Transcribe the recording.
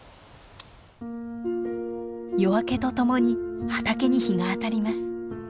夜明けとともに畑に日が当たります。